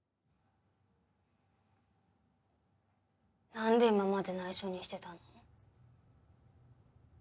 何で今まで内緒にしてたの？